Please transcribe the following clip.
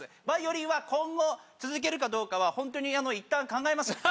バイオリンは今後続けるかどうかは本当にいったん考えます。